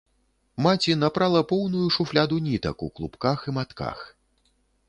Маці напрала поўную шуфляду нітак у клубках і матках.